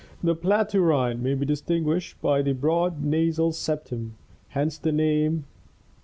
The Platyrrhini may be distinguished by the broad nasal septum (hence the name, Gr.